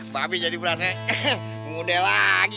babe jadi berasanya muda lagi kalau begitu